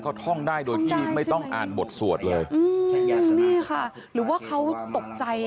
เขาท่องได้โดยที่ไม่ต้องอ่านบทสวดเลยอืมนี่ค่ะหรือว่าเขาตกใจ